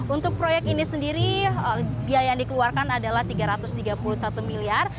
untuk proyek ini sendiri biaya yang dikeluarkan adalah rp tiga ratus tiga puluh satu miliar